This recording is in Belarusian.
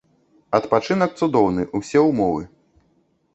Адпачынак цудоўны, усе ўмовы.